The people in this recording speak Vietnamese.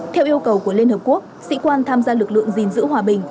theo yêu cầu của liên hợp quốc sĩ quan tham gia lực lượng gìn giữ hòa bình